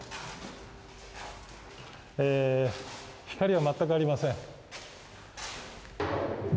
光は全くありません。